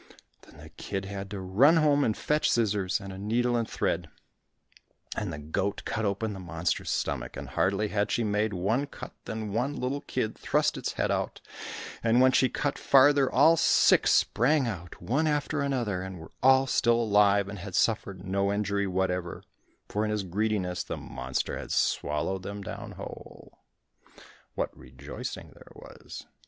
Then the kid had to run home and fetch scissors, and a needle and thread, and the goat cut open the monster's stomach, and hardly had she make one cut, than one little kid thrust its head out, and when she cut farther, all six sprang out one after another, and were all still alive, and had suffered no injury whatever, for in his greediness the monster had swallowed them down whole. What rejoicing there was!